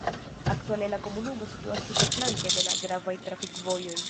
Aktuale la komunumo situas tute flanke de la gravaj trafikvojoj.